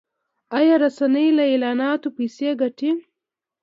آیا رسنۍ له اعلاناتو پیسې ګټي؟